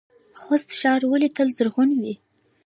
خوست ښار ولې تل زرغون وي؟